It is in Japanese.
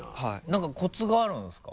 何かコツがあるんですか？